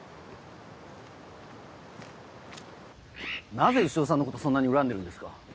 なぜ潮さんのことそんなに恨んでるんですか？